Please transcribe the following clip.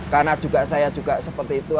karena juga saya juga seperti itu